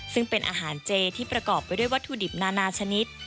ซึ่งเป็นอาหารเจที่ประกอบไปด้วยวัตถุดิบนานาชนิด